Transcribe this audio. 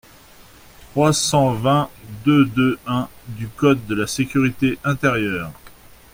trois cent vingt-deux-deux-un du code de la sécurité intérieure ».